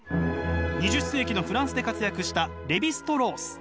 ２０世紀のフランスで活躍したレヴィ＝ストロース。